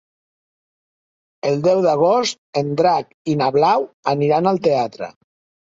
El deu d'agost en Drac i na Blau aniran al teatre.